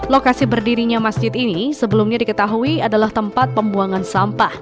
lokasi berdirinya masjid ini sebelumnya diketahui adalah tempat pembuangan sampah